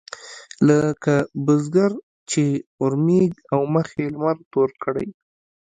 لکه بزګر چې اورمېږ او مخ يې لمر تور کړي.